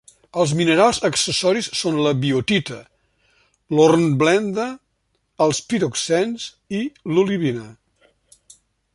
Els minerals accessoris són la biotita, l'hornblenda, els piroxens i l'olivina.